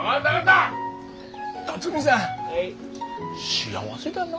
幸せだな。